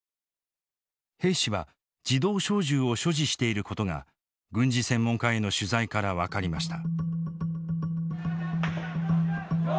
兵士は自動小銃を所持していることが軍事専門家への取材から分かりました。